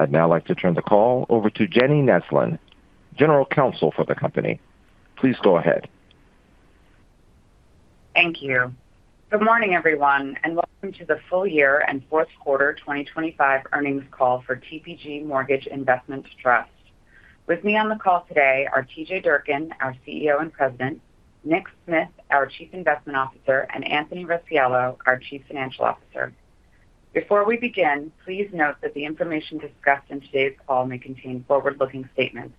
I'd now like to turn the call over to Jenny Neslin, General Counsel for the company. Please go ahead. Thank you. Good morning, everyone, and welcome to the full year and fourth quarter 2025 earnings call for TPG Mortgage Investment Trust. With me on the call today are T.J. Durkin, our CEO and President, Nick Smith, our Chief Investment Officer, and Anthony Rossiello, our Chief Financial Officer. Before we begin, please note that the information discussed in today's call may contain forward-looking statements.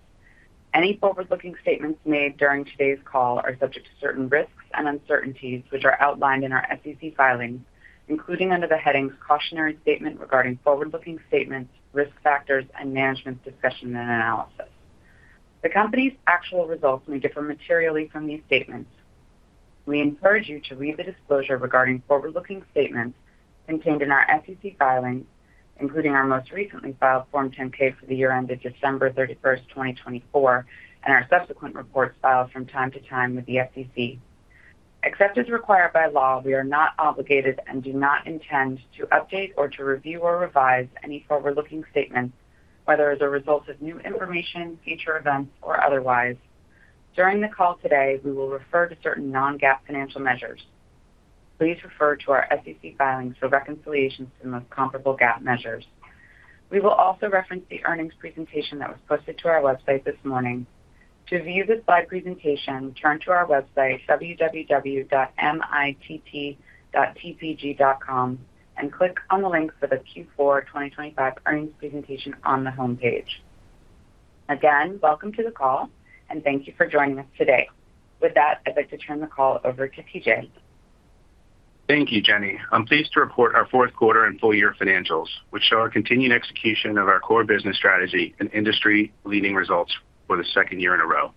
Any forward-looking statements made during today's call are subject to certain risks and uncertainties, which are outlined in our SEC filings, including under the headings "Cautionary Statement Regarding Forward-Looking Statements," "Risk Factors," and "Management's Discussion and Analysis." The company's actual results may differ materially from these statements. We encourage you to read the disclosure regarding forward-looking statements contained in our SEC filings, including our most recently filed Form 10-K for the year ended December 31, 2024, and our subsequent reports filed from time to time with the SEC. Except as required by law, we are not obligated and do not intend to update or to review or revise any forward-looking statements, whether as a result of new information, future events, or otherwise. During the call today, we will refer to certain Non-GAAP financial measures. Please refer to our SEC filings for reconciliations to the most comparable GAAP measures. We will also reference the earnings presentation that was posted to our website this morning. To view the slide presentation, turn to our website, www.mitt.tpg.com, and click on the link for the Q4 2025 earnings presentation on the homepage. Again, welcome to the call, and thank you for joining us today. With that, I'd like to turn the call over to T.J. Thank you, Jenny. I'm pleased to report our fourth quarter and full year financials, which show our continued execution of our core business strategy and industry-leading results for the second year in a row.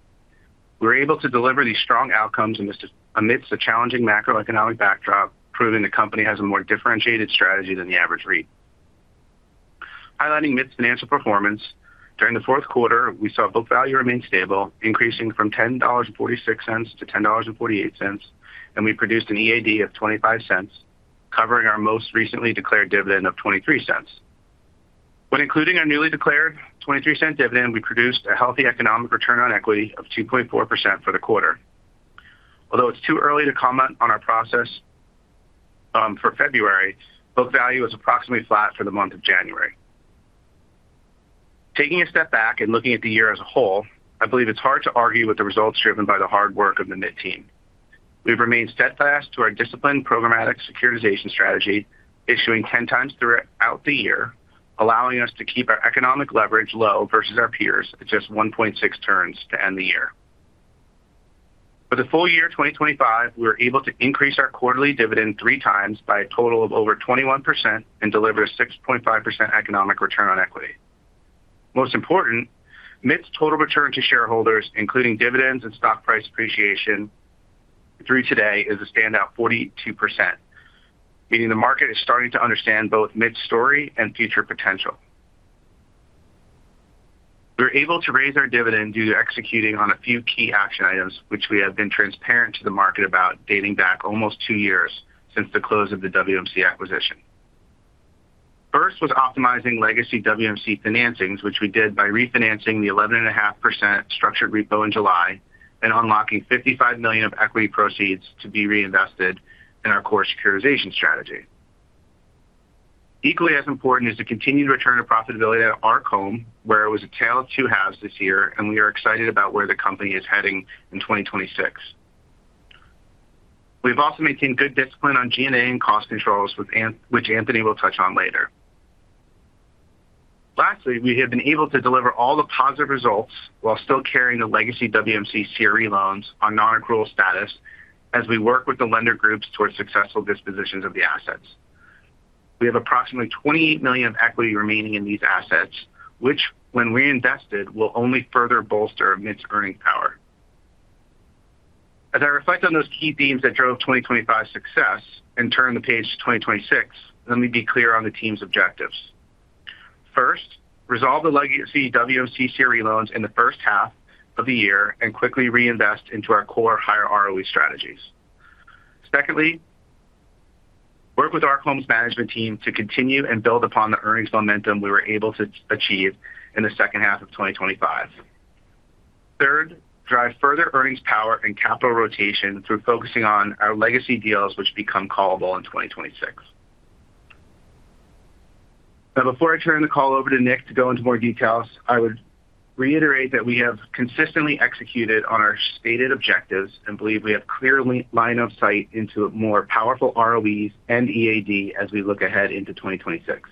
We were able to deliver these strong outcomes in this, amidst a challenging macroeconomic backdrop, proving the company has a more differentiated strategy than the average REIT. Highlighting MITT's financial performance, during the fourth quarter, we saw book value remain stable, increasing from $10.46 to $10.48, and we produced an EAD of $0.25, covering our most recently declared dividend of $0.23. When including our newly declared $0.23 dividend, we produced a healthy economic return on equity of 2.4% for the quarter. Although it's too early to comment on our process for February, book value is approximately flat for the month of January. Taking a step back and looking at the year as a whole, I believe it's hard to argue with the results driven by the hard work of the MITT team. We've remained steadfast to our disciplined, programmatic securitization strategy, issuing 10 times throughout the year, allowing us to keep our economic leverage low versus our peers at just 1.6 turns to end the year. For the full year 2025, we were able to increase our quarterly dividend three times by a total of over 21% and deliver a 6.5% economic return on equity. Most important, MITT's total return to shareholders, including dividends and stock price appreciation through today, is a standout 42%, meaning the market is starting to understand both MITT's story and future potential. We were able to raise our dividend due to executing on a few key action items, which we have been transparent to the market about dating back almost two years since the close of the WMC acquisition. First was optimizing legacy WMC financings, which we did by refinancing the 11.5% structured repo in July and unlocking $55 million of equity proceeds to be reinvested in our core securitization strategy. Equally as important is the continued return to profitability at Arc Home, where it was a tale of two halves this year, and we are excited about where the company is heading in 2026. We've also maintained good discipline on G&A and cost controls, with Anthony, which Anthony will touch on later. Lastly, we have been able to deliver all the positive results while still carrying the legacy WMC CRE loans on non-accrual status as we work with the lender groups towards successful dispositions of the assets. We have approximately $28 million of equity remaining in these assets, which, when reinvested, will only further bolster MITT's earnings power. As I reflect on those key themes that drove 2025's success and turn the page to 2026, let me be clear on the team's objectives. First, resolve the legacy WMC CRE loans in the first half of the year and quickly reinvest into our core higher ROE strategies. Secondly, work with Arc Home's management team to continue and build upon the earnings momentum we were able to achieve in the second half of 2025. Third, drive further earnings power and capital rotation through focusing on our legacy deals, which become callable in 2026. Now, before I turn the call over to Nick to go into more details, I would reiterate that we have consistently executed on our stated objectives and believe we have clear line of sight into more powerful ROEs and EAD as we look ahead into 2026.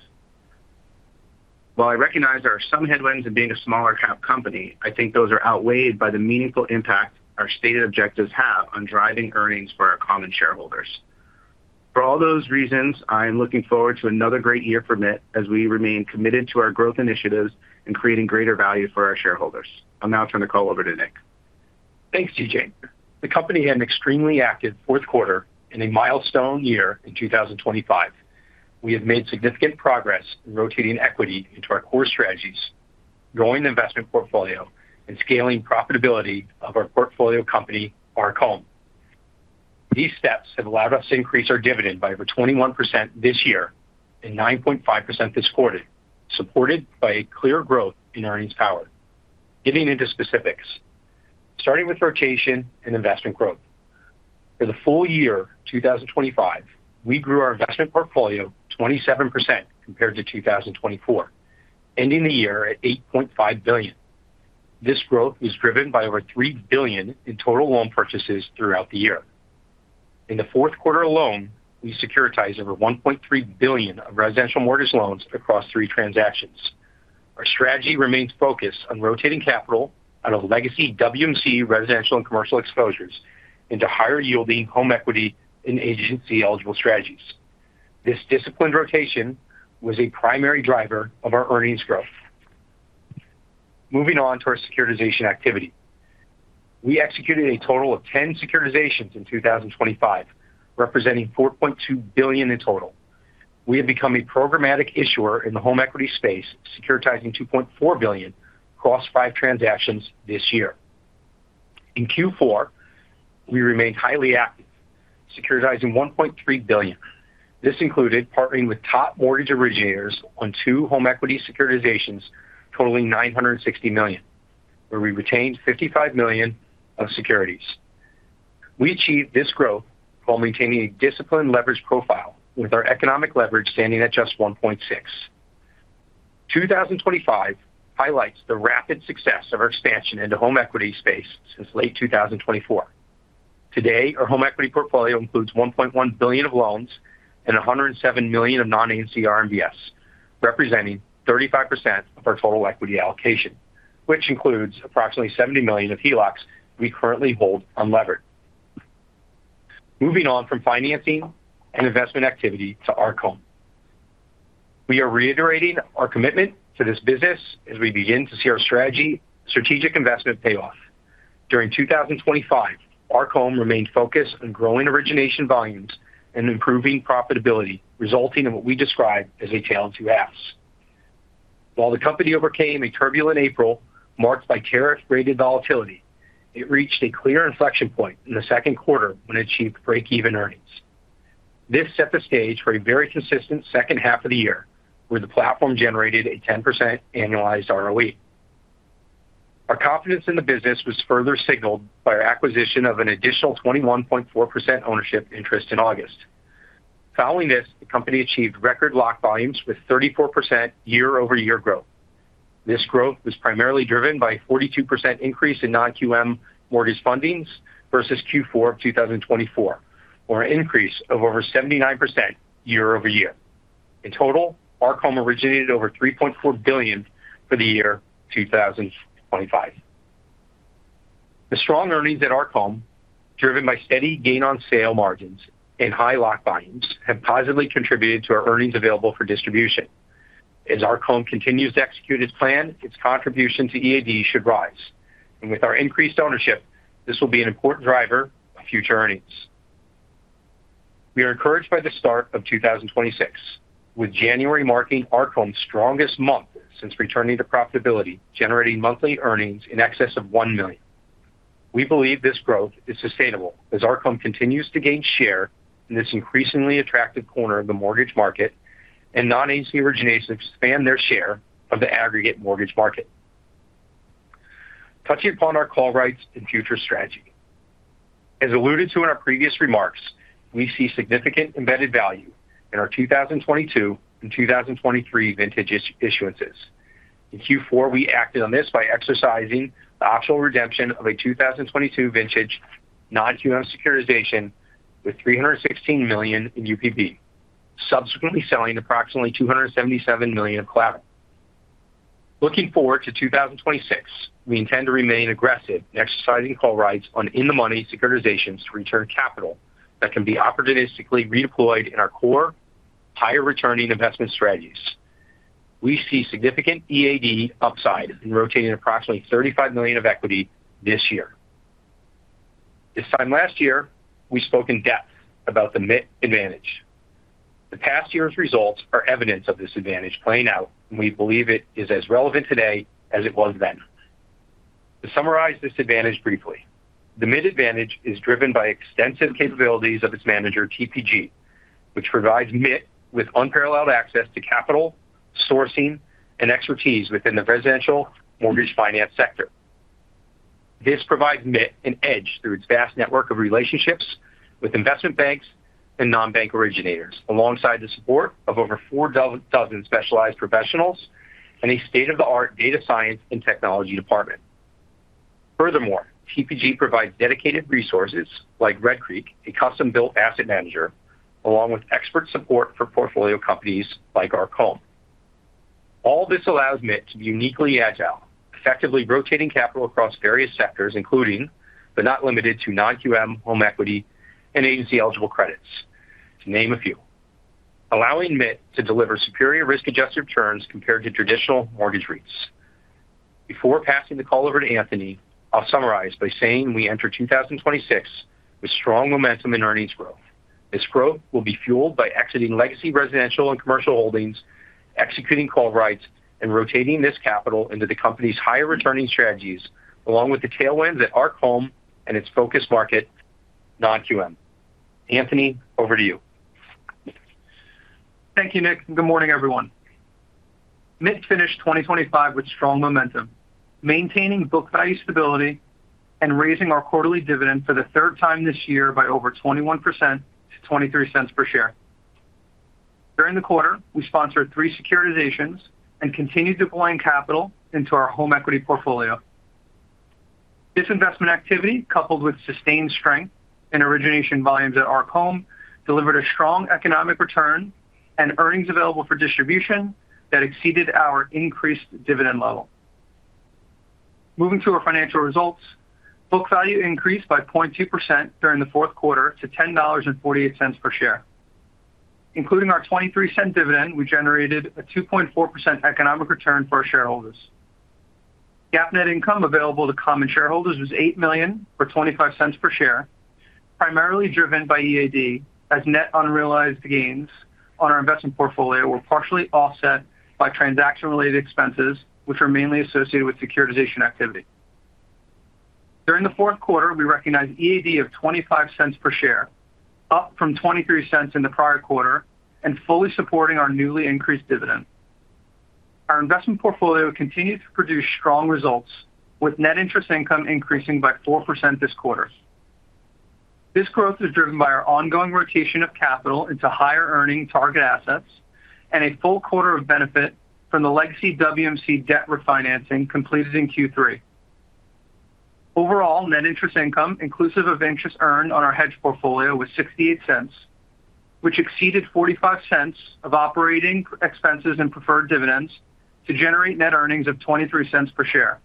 While I recognize there are some headwinds in being a smaller cap company, I think those are outweighed by the meaningful impact our stated objectives have on driving earnings for our common shareholders. For all those reasons, I am looking forward to another great year for MITT as we remain committed to our growth initiatives and creating greater value for our shareholders. I'll now turn the call over to Nick. Thanks, T.J. The company had an extremely active fourth quarter and a milestone year in 2025. We have made significant progress in rotating equity into our core strategies, growing the investment portfolio, and scaling profitability of our portfolio company, Arc Home.... These steps have allowed us to increase our dividend by over 21% this year and 9.5% this quarter, supported by a clear growth in earnings power. Getting into specifics, starting with rotation and investment growth. For the full year 2025, we grew our investment portfolio 27% compared to 2024, ending the year at $8.5 billion. This growth was driven by over $3 billion in total loan purchases throughout the year. In the fourth quarter alone, we securitized over $1.3 billion of residential mortgage loans across 3 transactions. Our strategy remains focused on rotating capital out of legacy WMC residential and commercial exposures into higher-yielding home equity and agency-eligible strategies. This disciplined rotation was a primary driver of our earnings growth. Moving on to our securitization activity. We executed a total of 10 securitizations in 2025, representing $4.2 billion in total. We have become a programmatic issuer in the home equity space, securitizing $2.4 billion across 5 transactions this year. In Q4, we remained highly active, securitizing $1.3 billion. This included partnering with top mortgage originators on two home equity securitizations, totaling $960 million, where we retained $55 million of securities. We achieved this growth while maintaining a disciplined leverage profile, with our economic leverage standing at just 1.6. 2025 highlights the rapid success of our expansion into home equity space since late 2024. Today, our home equity portfolio includes $1.1 billion of loans and $107 million of non-agency RMBS, representing 35% of our total equity allocation, which includes approximately $70 million of HELOCs we currently hold unlevered. Moving on from financing and investment activity to Arc Home. We are reiterating our commitment to this business as we begin to see our strategy- strategic investment pay off. During 2025, Arc Home remained focused on growing origination volumes and improving profitability, resulting in what we describe as a tale of two halves. While the company overcame a turbulent April marked by tariff-related volatility, it reached a clear inflection point in the second quarter when it achieved breakeven earnings. This set the stage for a very consistent second half of the year, where the platform generated a 10% annualized ROE. Our confidence in the business was further signaled by our acquisition of an additional 21.4% ownership interest in August. Following this, the company achieved record lock volumes with 34% year-over-year growth. This growth was primarily driven by a 42% increase in non-QM mortgage fundings versus Q4 of 2024, or an increase of over 79% year-over-year. In total, Arc Home originated over $3.4 billion for the year 2025. The strong earnings at Arc Home, driven by steady gain on sale margins and high lock volumes, have positively contributed to our earnings available for distribution. As Arc Home continues to execute its plan, its contribution to EAD should rise, and with our increased ownership, this will be an important driver of future earnings. We are encouraged by the start of 2026, with January marking Arc Home's strongest month since returning to profitability, generating monthly earnings in excess of $1 million. We believe this growth is sustainable as Arc Home continues to gain share in this increasingly attractive corner of the mortgage market and non-agency originations expand their share of the aggregate mortgage market. Touching upon our call rights and future strategy. As alluded to in our previous remarks, we see significant embedded value in our 2022 and 2023 vintage issuances. In Q4, we acted on this by exercising the optional redemption of a 2022 vintage non-QM securitization with $316 million in UPB, subsequently selling approximately $277 million of collateral. Looking forward to 2026, we intend to remain aggressive in exercising call rights on in-the-money securitizations to return capital that can be opportunistically redeployed in our core higher-returning investment strategies. We see significant EAD upside in rotating approximately $35 million of equity this year. This time last year, we spoke in depth about the MITT advantage. The past year's results are evidence of this advantage playing out, and we believe it is as relevant today as it was then. To summarize this advantage briefly, the MITT advantage is driven by extensive capabilities of its manager, TPG, which provides MITT with unparalleled access to capital, sourcing, and expertise within the residential mortgage finance sector. This provides MITT an edge through its vast network of relationships with investment banks and non-bank originators, alongside the support of over 4,000 specialized professionals and a state-of-the-art data science and technology department. Furthermore, TPG provides dedicated resources like Red Creek, a custom-built asset manager, along with expert support for portfolio companies like Arc Home. All this allows MITT to be uniquely agile, effectively rotating capital across various sectors, including, but not limited to non-QM, home equity, and agency-eligible credits, to name a few. Allowing MITT to deliver superior risk-adjusted returns compared to traditional mortgage REITs. Before passing the call over to Anthony, I'll summarize by saying we enter 2026 with strong momentum in earnings growth. This growth will be fueled by exiting legacy residential and commercial holdings, executing call rights, and rotating this capital into the company's higher returning strategies, along with the tailwinds at Arc Home and its focus market, non-QM. Anthony, over to you. Thank you, Nick, and good morning, everyone. MITT finished 2025 with strong momentum, maintaining book value stability and raising our quarterly dividend for the third time this year by over 21% to $0.23 per share. During the quarter, we sponsored 3 securitizations and continued deploying capital into our home equity portfolio. This investment activity, coupled with sustained strength in origination volumes at Arc Home, delivered a strong economic return and earnings available for distribution that exceeded our increased dividend level. Moving to our financial results. Book value increased by 0.2% during the fourth quarter to $10.48 per share. Including our $0.23 dividend, we generated a 2.4% economic return for our shareholders. GAAP net income available to common shareholders was $8 million, or $0.25 per share, primarily driven by EAD, as net unrealized gains on our investment portfolio were partially offset by transaction-related expenses, which were mainly associated with securitization activity. During the fourth quarter, we recognized EAD of $0.25 per share, up from $0.23 in the prior quarter and fully supporting our newly increased dividend. Our investment portfolio continued to produce strong results, with net interest income increasing by 4% this quarter. This growth is driven by our ongoing rotation of capital into higher-earning target assets and a full quarter of benefit from the legacy WMC debt refinancing completed in Q3. Overall, net interest income, inclusive of interest earned on our hedge portfolio, was $0.68, which exceeded $0.45 of operating expenses and preferred dividends to generate net earnings of $0.23 per share.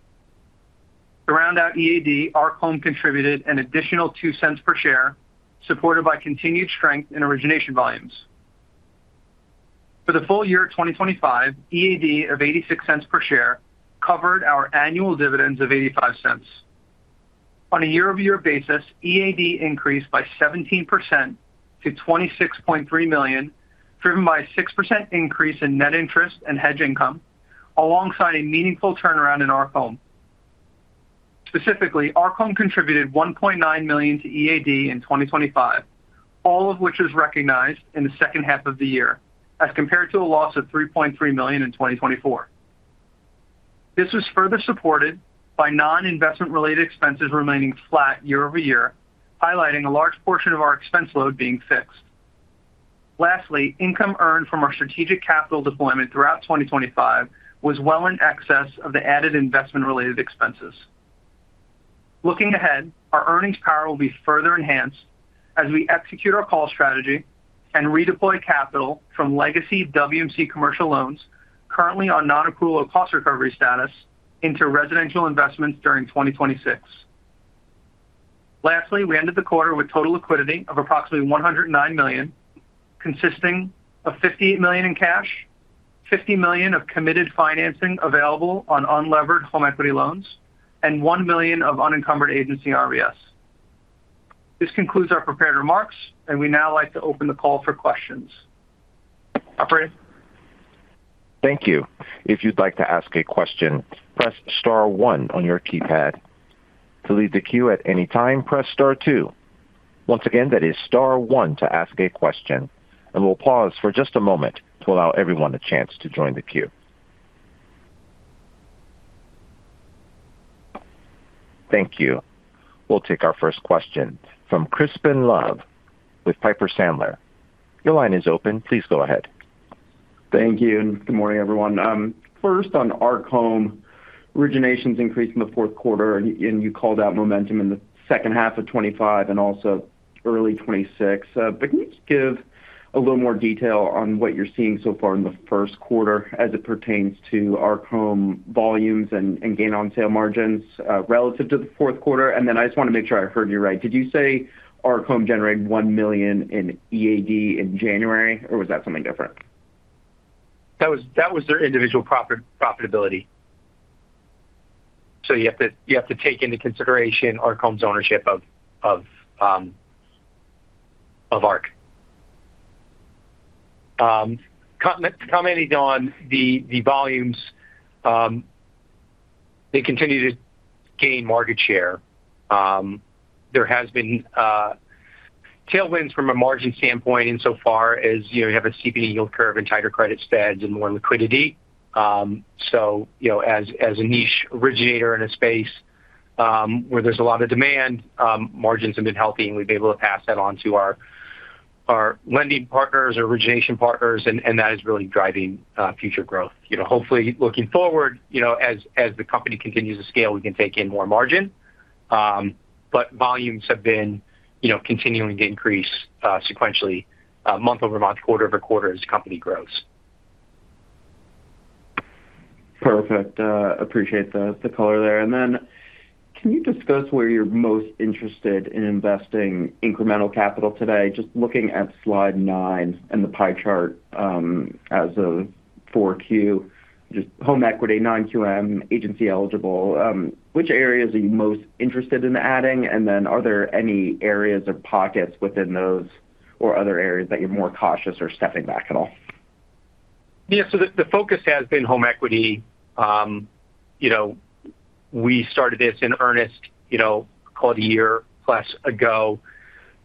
To round out EAD, Arc Home contributed an additional $0.02 per share, supported by continued strength in origination volumes. For the full year 2025, EAD of $0.86 per share covered our annual dividends of $0.85. On a year-over-year basis, EAD increased by 17% to $26.3 million, driven by a 6% increase in net interest and hedge income, alongside a meaningful turnaround in Arc Home. Specifically, Arc Home contributed $1.9 million to EAD in 2025, all of which is recognized in the second half of the year, as compared to a loss of $3.3 million in 2024. This was further supported by non-investment related expenses remaining flat year-over-year, highlighting a large portion of our expense load being fixed. Lastly, income earned from our strategic capital deployment throughout 2025 was well in excess of the added investment-related expenses. Looking ahead, our earnings power will be further enhanced as we execute our call strategy and redeploy capital from legacy WMC commercial loans currently on non-accrual or cost recovery status into residential investments during 2026. Lastly, we ended the quarter with total liquidity of approximately $109 million, consisting of $58 million in cash, $50 million of committed financing available on unlevered home equity loans, and $1 million of unencumbered agency RMBS. This concludes our prepared remarks, and we'd now like to open the call for questions. Operator? Thank you. If you'd like to ask a question, press star one on your keypad. To leave the queue at any time, press star two. Once again, that is star one to ask a question, and we'll pause for just a moment to allow everyone a chance to join the queue. Thank you. We'll take our first question from Crispin Love with Piper Sandler. Your line is open. Please go ahead. Thank you, and good morning, everyone. First, on Arc Home, originations increased in the fourth quarter, and you called out momentum in the second half of 2025 and also early 2026. But can you just give a little more detail on what you're seeing so far in the first quarter as it pertains to Arc Home volumes and gain on sale margins, relative to the fourth quarter? And then I just want to make sure I heard you right. Did you say Arc Home generated $1 million in EAD in January, or was that something different? That was their individual profitability. So you have to take into consideration Arc Home's ownership of Arc. Commenting on the volumes, they continue to gain market share. There has been tailwinds from a margin standpoint insofar as you have a CP yield curve and tighter credit spreads and more liquidity. So, you know, as a niche originator in a space where there's a lot of demand, margins have been healthy, and we've been able to pass that on to our lending partners, our origination partners, and that is really driving future growth. You know, hopefully, looking forward, you know, as the company continues to scale, we can take in more margin. Volumes have been, you know, continuing to increase sequentially, month-over-month, quarter-over-quarter as the company grows. Perfect. Appreciate the color there. And then can you discuss where you're most interested in investing incremental capital today? Just looking at slide nine and the pie chart, as of. Q4, just home equity, non-QM, agency-eligible. Which areas are you most interested in adding? And then are there any areas or pockets within those or other areas that you're more cautious or stepping back at all? Yeah. So the focus has been home equity. You know, we started this in earnest, you know, call it a year plus ago.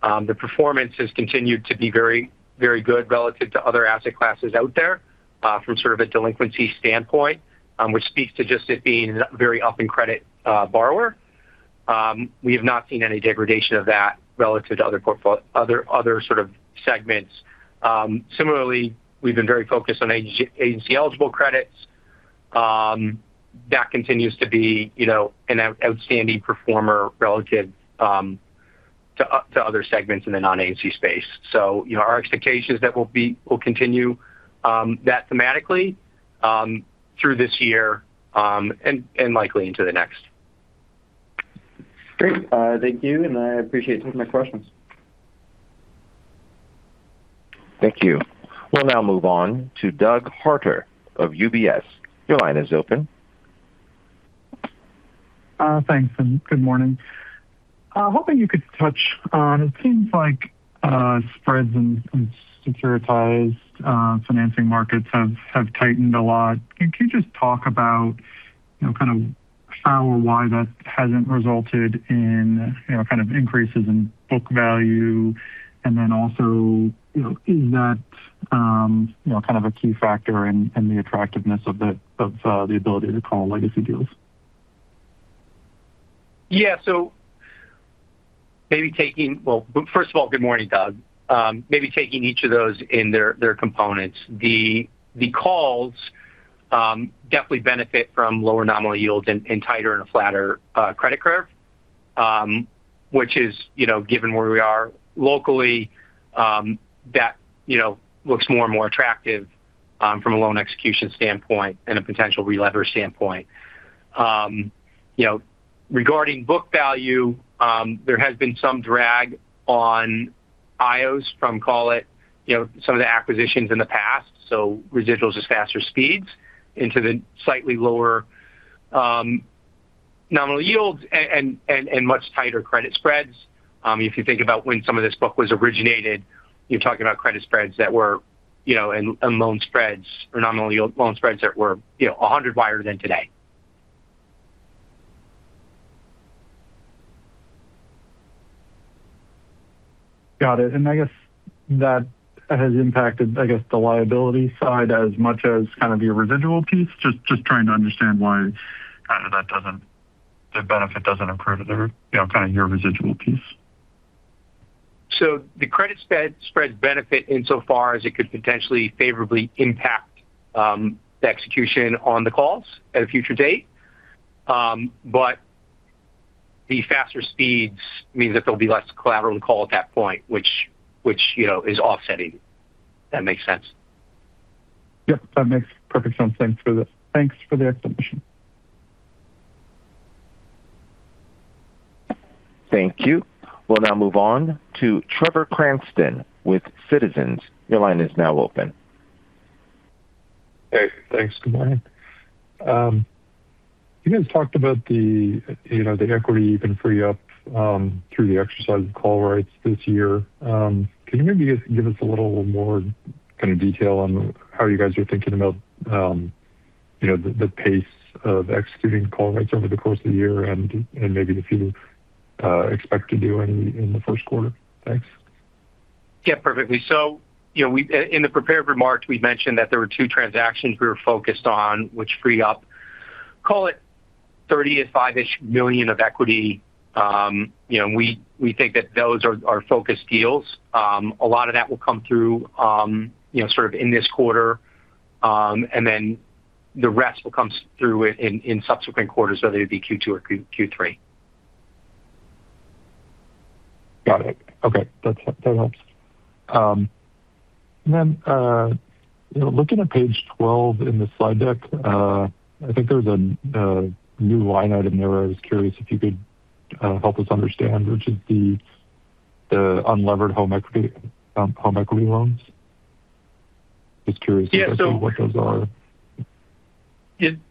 The performance has continued to be very, very good relative to other asset classes out there from sort of a delinquency standpoint, which speaks to just it being a very up in credit borrower. We have not seen any degradation of that relative to other sort of segments. Similarly, we've been very focused on agency-eligible credits. That continues to be, you know, an outstanding performer relative to other segments in the non-agency space. So, you know, our expectation is that we'll continue that thematically through this year and likely into the next. Great. Thank you, and I appreciate it. Thanks for my questions. Thank you. We'll now move on to Doug Harter of UBS. Your line is open. Thanks, and good morning. Hoping you could touch on, it seems like spreads in securitized financing markets have tightened a lot. Can you just talk about, you know, kind of how or why that hasn't resulted in, you know, kind of increases in book value? And then also, you know, is that, you know, kind of a key factor in the attractiveness of the ability to call legacy deals? Yeah. So maybe taking... Well, first of all, good morning, Doug. Maybe taking each of those in their, their components. The, the calls definitely benefit from lower nominal yields and, and tighter and a flatter credit curve. Which is, you know, given where we are locally, that, you know, looks more and more attractive from a loan execution standpoint and a potential relever standpoint. You know, regarding book value, there has been some drag on IOs from, call it, you know, some of the acquisitions in the past. So residuals is faster speeds into the slightly lower nominal yields and, and, and much tighter credit spreads. If you think about when some of this book was originated, you're talking about credit spreads that were, you know, loan spreads or nominal yield loan spreads that were, you know, 100 wider than today. Got it. And I guess that has impacted, I guess, the liability side as much as kind of your residual piece. Just trying to understand why kind of that doesn't, the benefit doesn't accrue to their, you know, kind of your residual piece. So the credit spread, spreads benefit insofar as it could potentially favorably impact, the execution on the calls at a future date. But the faster speeds mean that there'll be less collateral call at that point, which, you know, is offsetting, if that makes sense. Yep, that makes perfect sense. Thanks for the explanation. Thank you. We'll now move on to Trevor Cranston with Citizens. Your line is now open. Hey, thanks. Good morning. You guys talked about the, you know, the equity you can free up through the exercise of call rights this year. Can you maybe give, give us a little more kind of detail on how you guys are thinking about, you know, the, the pace of executing call rights over the course of the year and, and maybe if you expect to do any in the first quarter? Thanks. Yeah, perfectly. So, you know, we in the prepared remarks, we mentioned that there were two transactions we were focused on, which free up, call it $35-ish million of equity. You know, and we, we think that those are, are focused deals. A lot of that will come through, you know, sort of in this quarter. And then the rest will come through in, in, in subsequent quarters, whether it be Q2 or Q, Q3. Got it. Okay. That helps. And then, you know, looking at page 12 in the slide deck, I think there's a new line item there. I was curious if you could help us understand, which is the unlevered home equity home equity loans. Just curious- Yeah, so. What those are.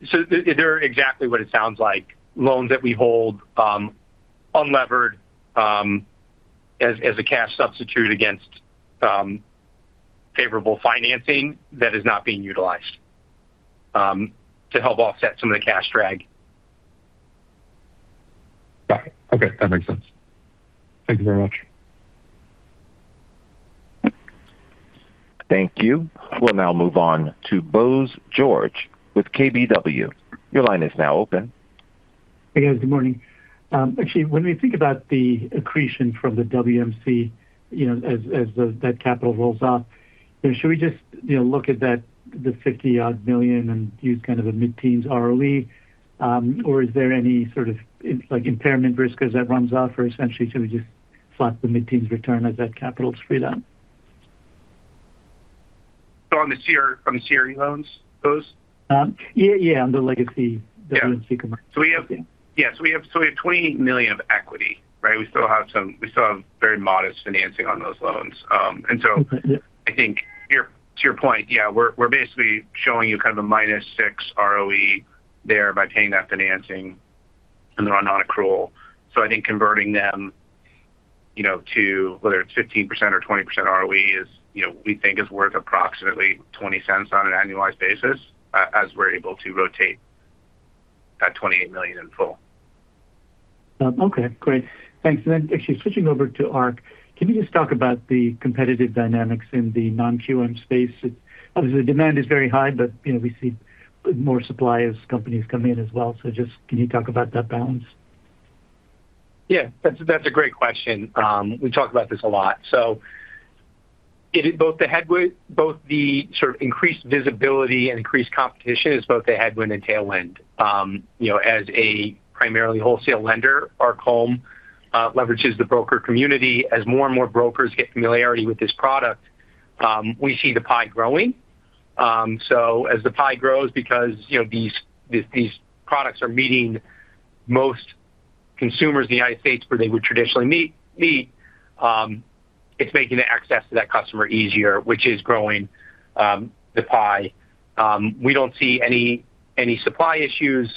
So they're exactly what it sounds like. Loans that we hold unlevered as a cash substitute against favorable financing that is not being utilized to help offset some of the cash drag. Got it. Okay, that makes sense. Thank you very much. Thank you. We'll now move on to Bose George with KBW. Your line is now open. Hey, guys, good morning. Actually, when we think about the accretion from the WMC, you know, as that capital rolls off, should we just, you know, look at that, the $50-odd million and use kind of a mid-teens ROE? Or is there any sort of, like, impairment risk as that runs off, or essentially should we just slot the mid-teens return as that capital is freed up? On the CRE, on the CRE loans, Bose? Yeah, yeah, on the legacy. Yeah. -WMC commercial. So we have- Yeah. Yeah, so we have $20 million of equity. We still have very modest financing on those loans. And so I think to your point, yeah, we're basically showing you kind of a -6 ROE there by paying that financing, and they're on nonaccrual. So I think converting them, you know, to whether it's 15% or 20% ROE is, you know, we think is worth approximately $0.20 on an annualized basis as we're able to rotate that $28 million in full. Okay, great. Thanks. And then actually switching over to Arc, can you just talk about the competitive dynamics in the non-QM space? Obviously, demand is very high, but, you know, we see more suppliers, companies come in as well. So just can you talk about that balance? Yeah, that's a great question. We talk about this a lot. So it is both the headwind, both the sort of increased visibility and increased competition is both a headwind and tailwind. You know, as a primarily wholesale lender, Arc Home leverages the broker community. As more and more brokers get familiarity with this product, we see the pie growing. So as the pie grows, because, you know, these products are meeting most consumers in the United States where they would traditionally meet, it's making the access to that customer easier, which is growing the pie. We don't see any supply issues.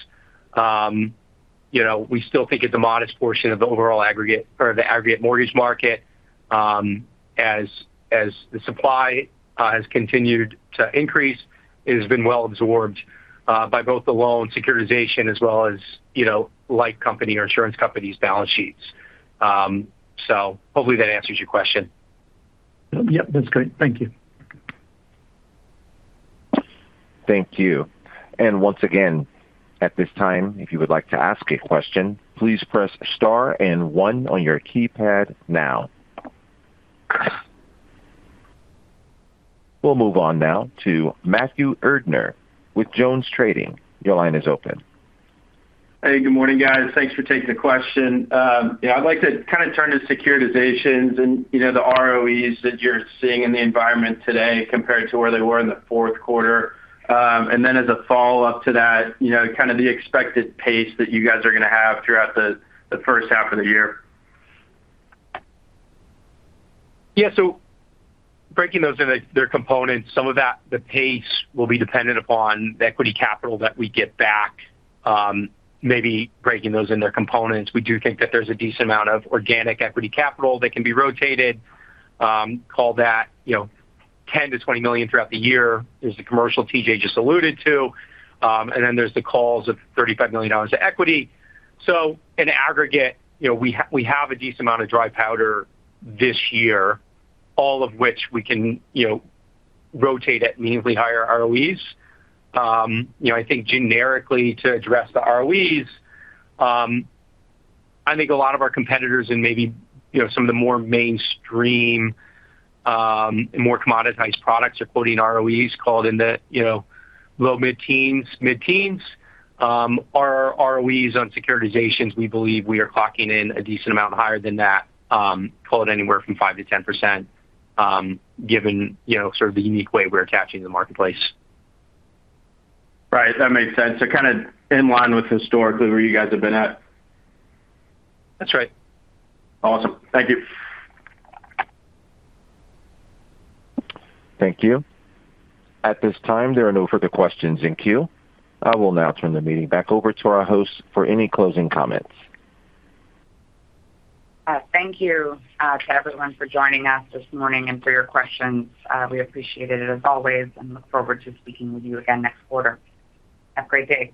You know, we still think it's a modest portion of the overall aggregate or the aggregate mortgage market. As the supply has continued to increase, it has been well absorbed by both the loan securitization as well as, you know, life company or insurance companies' balance sheets. So hopefully that answers your question. Yep, that's great. Thank you. Thank you. Once again, at this time, if you would like to ask a question, please press star and one on your keypad now. We'll move on now to Matthew Erdner with JonesTrading. Your line is open. Hey, good morning, guys. Thanks for taking the question. Yeah, I'd like to kind of turn to securitizations and, you know, the ROEs that you're seeing in the environment today compared to where they were in the fourth quarter. And then as a follow-up to that, you know, kind of the expected pace that you guys are going to have throughout the first half of the year. Yeah, so breaking those into their components, some of that, the pace will be dependent upon the equity capital that we get back. Maybe breaking those in their components. We do think that there's a decent amount of organic equity capital that can be rotated, call that, you know, $10 million-$20 million throughout the year. There's the commercial T.J. just alluded to, and then there's the calls of $35 million to equity. So in aggregate, you know, we have, we have a decent amount of dry powder this year, all of which we can, you know, rotate at meaningfully higher ROEs. You know, I think generically to address the ROEs, I think a lot of our competitors and maybe, you know, some of the more mainstream, more commoditized products are quoting ROEs called in the, you know, low-mid-teens, mid-teens. Our ROEs on securitizations, we believe we are clocking in a decent amount higher than that, call it anywhere from 5%-10%, given, you know, sort of the unique way we're attaching the marketplace. Right. That makes sense. Kind of in line with historically where you guys have been at? That's right. Awesome. Thank you. Thank you. At this time, there are no further questions in queue. I will now turn the meeting back over to our hosts for any closing comments. Thank you to everyone for joining us this morning and for your questions. We appreciate it as always, and look forward to speaking with you again next quarter. Have a great day.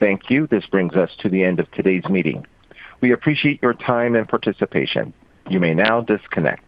Thank you. This brings us to the end of today's meeting. We appreciate your time and participation. You may now disconnect.